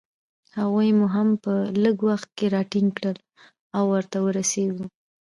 هغوی مو هم په لږ وخت کې راټینګ کړل، او ورته ورسېدو.